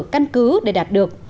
căn cứ để đạt được